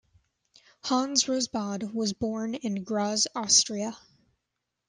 Hans Rosbaud was born in Graz, Austria.